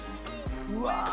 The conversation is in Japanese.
うわ。